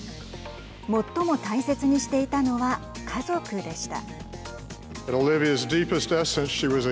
最も大切にしていたのは家族でした。